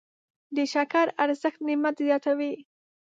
د شکر ارزښت نعمت زیاتوي.